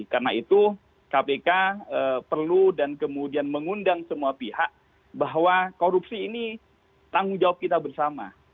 karena itu kpk perlu dan kemudian mengundang semua pihak bahwa korupsi ini tanggung jawab kita bersama